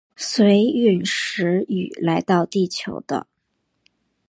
随着殒石雨来到地球的。